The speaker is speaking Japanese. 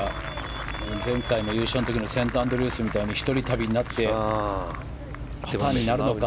前回の優勝のセントアンドリュースの時も１人旅になってパーになるのか。